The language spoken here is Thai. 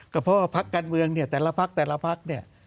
ก็เพราะว่าภาคการเมืองแต่ละภาคแต่ละภาค